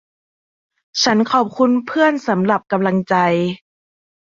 ฉันขอบคุณเพื่อนสำหรับกำลังใจ